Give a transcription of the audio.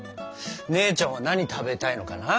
姉ちゃんは何食べたいのかな？